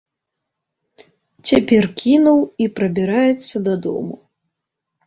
Цяпер кінуў і прабіраецца дадому.